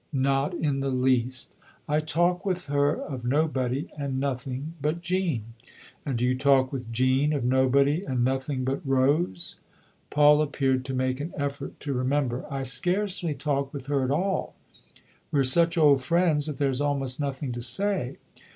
"Not in the least. I talk with her of nobody and nothing but Jean." " And do you talk with Jean of nobody and nothing but Rose ?" Paul appeared to make an effort to remember. " I scarcely talk with her at all. We're such old friends that there's almost nothing to say."